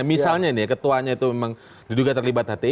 misalnya nih ya ketuanya itu memang juga terlibat dengan hti